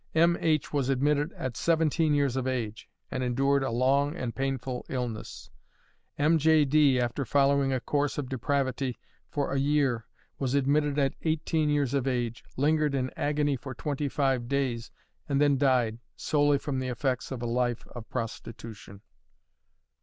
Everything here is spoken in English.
M. H. was admitted at seventeen years of age, and endured a long and painful illness. M. J. D., after following a course of depravity for a year, was admitted at eighteen years of age, lingered in agony for twenty five days, and then died, solely from the effects of a life of prostitution.